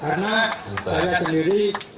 karena saya sendiri